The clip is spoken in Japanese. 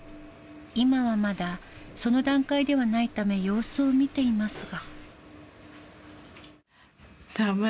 今はまだ、その段階ではないため様子を見ていますが。